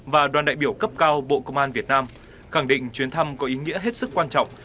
và đoàn đại biểu cấp cao bộ công an việt nam khẳng định chuyến thăm có ý nghĩa hết sức quan trọng